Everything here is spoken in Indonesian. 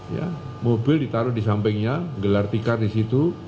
ya mobil ditaruh di sampingnya gelar tikar disitu